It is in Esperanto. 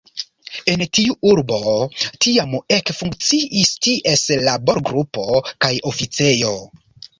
En tiu urbo tiam ekfunkciis ties laborgrupo kaj oficejo.